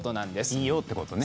いいよってことね。